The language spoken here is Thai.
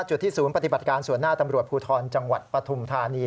จุดที่ศูนย์ปฏิบัติการส่วนหน้าตำรวจภูทรจังหวัดปฐุมธานี